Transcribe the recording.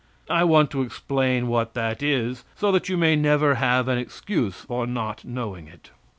I want to explain what that is, so that you may never have an excuse for not knowing it.